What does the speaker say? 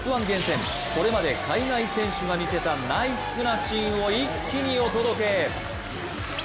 １厳選、これまで海外選手が見せたナイスなシーンを一気にお届け。